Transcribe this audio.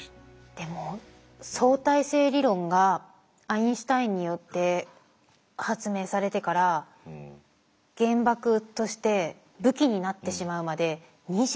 でも相対性理論がアインシュタインによって発明されてから原爆として武器になってしまうまで２５年しかたってないんですよ。